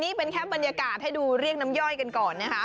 นี่เป็นแค่บรรยากาศให้ดูเรียกน้ำย่อยกันก่อนนะคะ